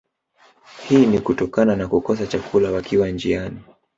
Hii ni kutokana na kukosa chakula wakiwa njiani